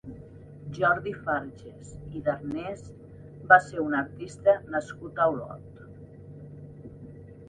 Jordi Farjas i Darnés va ser un artista nascut a Olot.